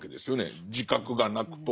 自覚がなくとも。